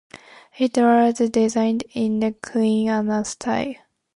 It was designed in the Queen Anne style.